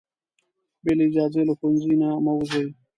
بې له اجازې له ښوونځي نه مه وځئ.